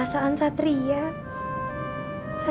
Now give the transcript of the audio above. aku gak tahu